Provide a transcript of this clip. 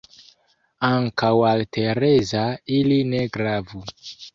Ankaŭ al Tereza ili ne gravu.